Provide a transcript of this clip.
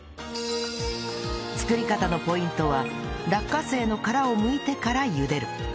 作り方のポイントは落花生の殻をむいてから茹でる